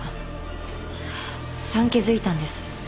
産気づいたんです。